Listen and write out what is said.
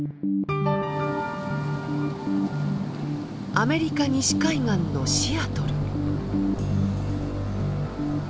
アメリカ西海岸のシアトル。